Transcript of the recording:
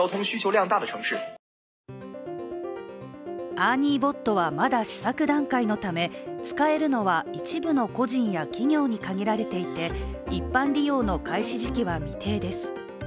ＥＲＮＩＥＢｏｔはまだ試作段階のため、使えるのは一部の個人や企業に限られていて、一般利用の開始時期は未定です。